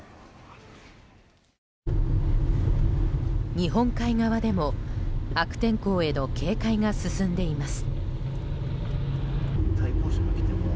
日本海側でも悪天候への警戒が進んでいます。